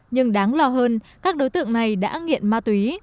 nhưng đáng lo hơn các đối tượng này đã nghiện ma túy